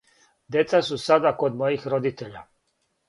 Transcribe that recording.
Деца су сада код мојих родитеља.